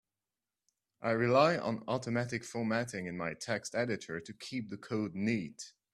I rely on automatic formatting in my text editor to keep the code neat.